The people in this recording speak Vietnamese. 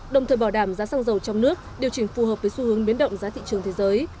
đồng thời bảo đảm giá xăng dầu trong nước điều chỉnh phù hợp với xu hướng biến động giá thị trường thế giới